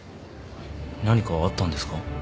何かあったんですか？